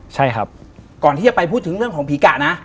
ใช่ครับก่อนที่จะไปพูดถึงเรื่องของผีกะนะ